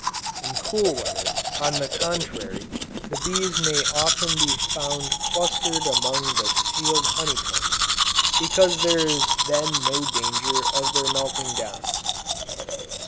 In cool weather, on the contrary, the bees may often be found clustered among the sealed honey combs, because there is then no danger of their melting down.